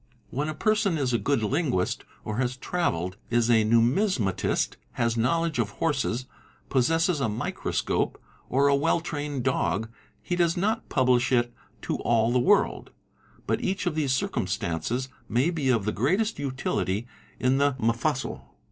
When a person is a good linguist, or has travelled, is a numismatist, has knowledge of horses, possesses a microscope, or a well trained dog, he does not publish it to all the world, but each of these circumstances — may be of the greatest utility in the mofussil.